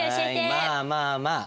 まあまあまあ。